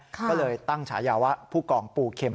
ก็เลยตั้งฉายาว่าผู้กองปูเข็ม